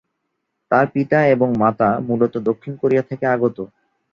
তার পিতা এবং মাতা মূলত দক্ষিণ কোরিয়া থেকে আগত।